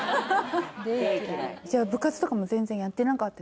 じゃあ部活とかも全然やってなかった？